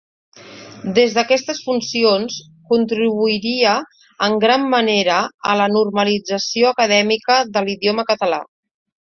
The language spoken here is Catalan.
Des d'aquestes funcions, contribuiria en gran manera a la normalització acadèmica de l'idioma català.